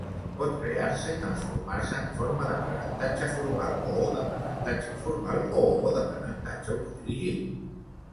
Pot crear i transformar-se en forma d'aprenentatge formal o d'aprenentatge informal o d'aprenentatge autodirigit.